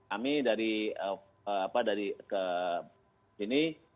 kami dari ke sini